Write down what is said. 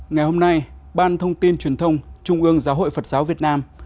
ngày hôm nay ban thông tin truyền thông trung ương giáo hội phật giáo việt nam